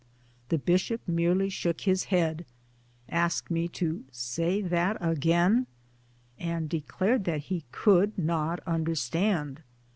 The Bishop merely shook his head, asked me to " say that again," and declared that he could not under stand.